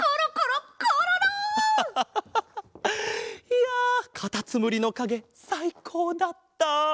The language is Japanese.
いやカタツムリのかげさいこうだった。